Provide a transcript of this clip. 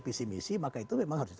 pcmc maka itu memang harus